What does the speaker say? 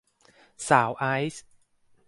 สาวไอซ์